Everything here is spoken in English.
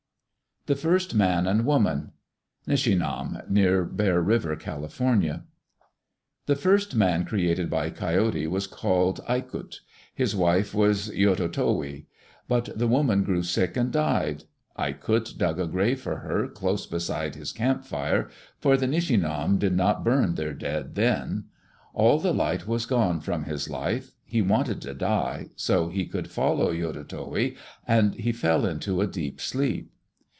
The First Man And Woman Nishinam (near Bear River, Cal.) The first man created by Coyote was called Aikut. His wife was Yototowi. But the woman grew sick and died. Aikut dug a grave for her close beside his camp fire, for the Nishinam did not burn their dead then. All the light was gone from his life. He wanted to die, so that he could follow Yototowi, and he fell into a deep sleep.